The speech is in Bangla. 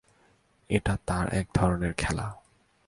এটা তাঁর এক ধরনের খেলা।